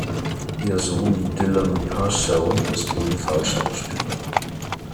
Ihr Sohn Dylan Purcell ist ebenfalls Schauspieler.